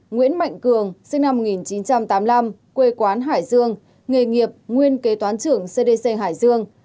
nguyễn mạnh cường sinh năm một nghìn chín trăm tám mươi năm quê quán hải dương nghề nghiệp nguyên kế toán trưởng cdc hải dương